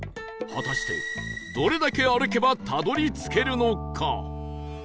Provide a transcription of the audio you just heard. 果たしてどれだけ歩けばたどり着けるのか？